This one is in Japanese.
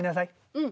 うん。